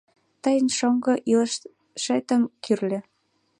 Тыйын шоҥго илышетым кӱрльӧ.